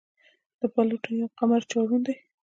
د پلوټو یو قمر چارون دی.